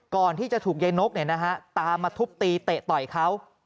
ก่อนที่จะถูกใยนกตามมาทุบตีเตะต่อยเขา